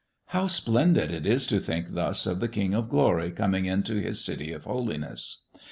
How splendid it is to think thus of the King of Glory coming into His city of holiness.